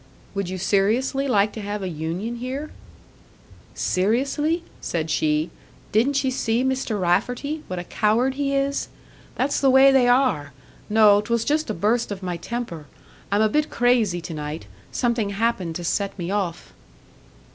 "Would you seriously like to have a union here?" "Seriously?" said she. "Didn't ye see Mr. Rafferty what a coward he is? That's the way they are! No, 'twas just a burst of my temper. I'm a bit crazy to night something happened to set me off."